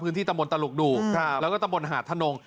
พื้นที่ตะมนต์ตะลุกดูกแล้วก็ตะมนต์หาดธนง